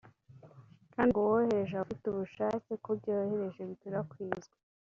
kandi ngo uwohereje aba afite ubushake ko ibyo yohereje bikwirakwizwa